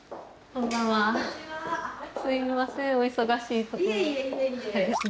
すいません